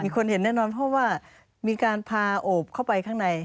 คนเห็นแน่นอนเพราะว่ามีการพาโอบเข้าไปข้างใน